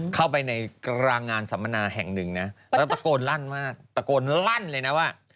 เข้าไปในกลางงานสัมมนาแห่งหนึ่งนะแล้วตะโกนลั่นมากตะโกนลั่นเลยนะว่า